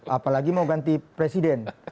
apalagi mau ganti presiden